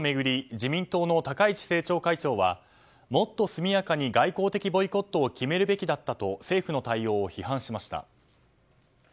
自民党の高市政調会長はもっと速やかに外交的ボイコットを決めるべきだったと政府の対応を批判しました。